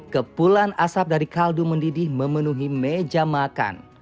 kepulan asap dari kaldu mendidih memenuhi meja makan